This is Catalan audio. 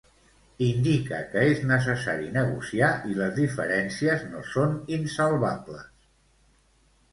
Indica que és necessari negociar i les diferències no són insalvables.